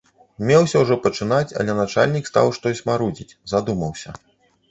Меліся ўжо пачынаць, але начальнік стаў штось марудзіць, задумаўся.